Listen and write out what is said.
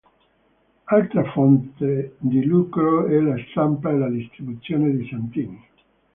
Altra fonte di lucro è la stampa e la distribuzione di santini.